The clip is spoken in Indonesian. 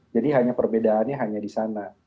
jadi perbedaannya hanya di sana